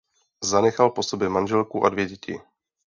Zanechal po sobě manželku a dvě děti.